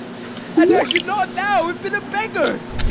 And I should not now have been a beggar!